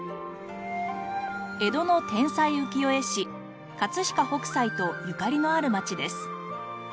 江戸の天才浮世絵師飾北斎とゆかりのある町です。